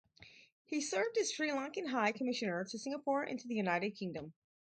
He served as Sri Lankan High Commissioner to Singapore and to the United Kingdom.